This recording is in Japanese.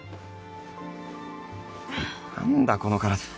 何だこの体